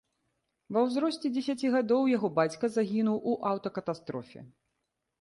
Ва ўзросце дзесяці гадоў яго бацька загінуў у аўтакатастрофе.